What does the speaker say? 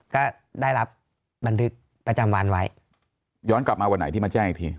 ก็ได้รับบันทึกประจำวันไว้ย้อนกลับมาวันไหนที่มาแจ้งอีกที